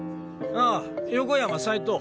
あ横山斉藤。